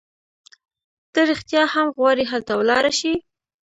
ته رېښتیا هم غواړي هلته ولاړه شې؟